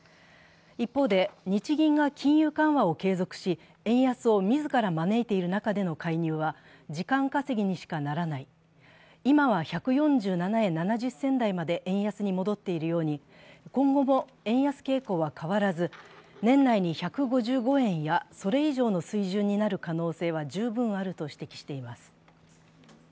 一方で、日銀が金融緩和を継続し、円安を自ら招いている中での介入は、時間稼ぎにしかならない、今は１４７円７０銭台まで円安に戻っているように今後も円安傾向は変わらず、年内に１５５円やそれ以上の水準になる可能性は十分あると指摘しています。